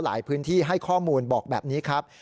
พื้นที่ให้ข้อมูลบอกแบบนี้ครับ